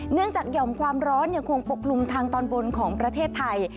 เนื่องจากเกี่ยวของความร้อนยังคงปกลุ่มทางตอนบนของประเทศไทย